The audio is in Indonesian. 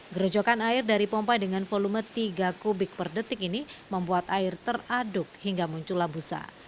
gerojokan air dari pompa dengan volume tiga kubik per detik ini membuat air teraduk hingga muncullah busa